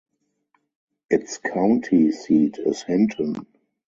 Its county seat is Hinton.